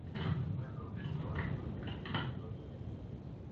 Fue profesor y dos veces director de la institución.